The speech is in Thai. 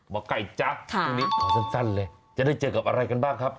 หมอไก่จ๊ะช่วงนี้ขอสั้นเลยจะได้เจอกับอะไรกันบ้างครับ